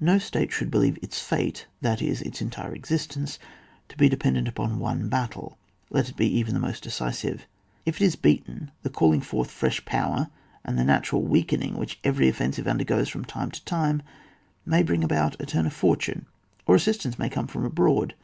No State should believe its fate, that is, its entire existence, to be dependent upon one battle, let it be even the most decisive. If it is beaten, the calling forth fresh power, and the natural weak ening which every offensive undergoes with time, may bring about a turn of for tune, or assistance may come from abroad.